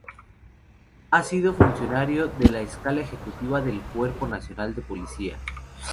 Ha sido funcionario de la escala ejecutiva del Cuerpo Nacional de Policía.